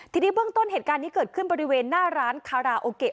ทีนี้เบื้องต้นเหตุการณ์นี้เกิดขึ้นบริเวณหน้าร้านคาราโอเกะ